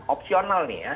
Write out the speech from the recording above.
opsional nih ya